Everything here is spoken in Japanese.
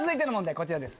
こちらです。